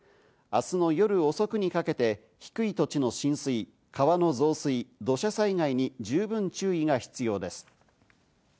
明日の夜遅くにかけて低い土地の浸水、川の増水、土砂災害に十分注意が必要です。